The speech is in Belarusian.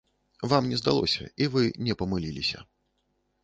Вам не здалося і вы не памыліліся.